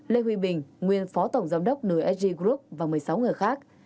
lê huy bình nguyên phó tổng giám đốc nsg group và một mươi sáu người khác